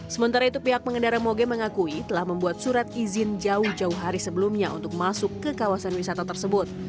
sementara itu pihak pengendara moge mengakui telah membuat surat izin jauh jauh hari sebelumnya untuk masuk ke kawasan wisata tersebut